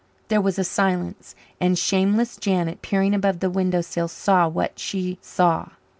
There was a silence, and shameless Janet, peering above the window sill, saw what she saw.